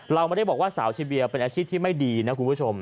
เราไม่ได้บอกว่าสาวชิเบียเป็นอาชีพที่ไม่ดีนะคุณผู้ชม